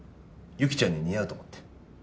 雪ちゃんに似合うと思って。